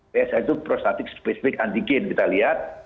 psa itu prostatik spesifik anti gen kita lihat